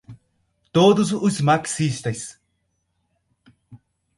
todos os marxistas